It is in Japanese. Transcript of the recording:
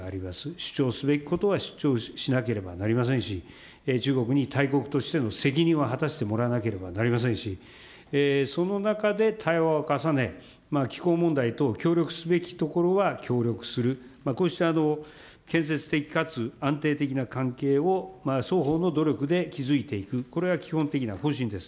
主張すべきことは主張しなければなりませんし、中国に大国としての責任を果たしてもらわなければなりませんし、その中で対話を重ね、気候問題等、協力すべきところは協力する、こうした建設的かつ安定的な関係を双方の努力で築いていく、これが基本的な方針です。